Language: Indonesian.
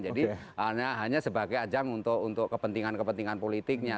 jadi hanya sebagai ajang untuk kepentingan kepentingan politiknya